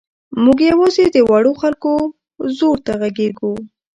موږ یوازې د وړو خلکو ځور ته غږېږو.